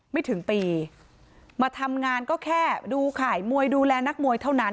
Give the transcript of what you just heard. ไม่ถึงปีมาทำงานก็แค่ดูข่ายมวยดูแลนักมวยเท่านั้น